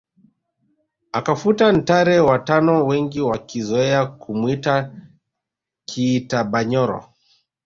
Akafuta Ntare wa tano wengi wakizoea kumuita Kiitabanyoro